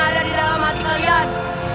di dalam hati kalian